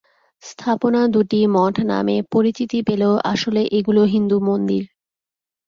স্থাপনা দুটি মঠ নামে পরিচিতি পেলেও আসলে এগুলো হিন্দু মন্দির।